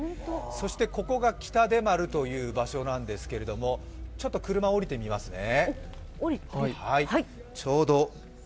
そしてここが北出丸という場所なんですけれどもちょっと車を降りてみますね。